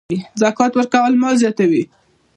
زکات ورکول مال زیاتوي.